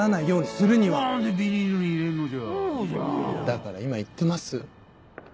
だから今言ってます。